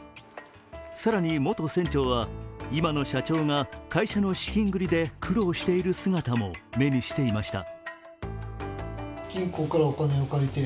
更に、元船長は今の社長が会社の資金繰りで苦労している姿も目にしていました。